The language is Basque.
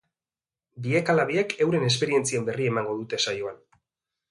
Biek ala biek euren esperientzien berri emango dute saioan.